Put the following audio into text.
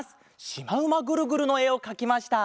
『しまうまグルグル』のえをかきました。